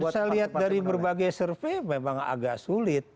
kalau saya lihat dari berbagai survei memang agak sulit